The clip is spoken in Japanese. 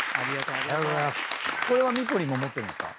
これはミポリンも持ってるんですか？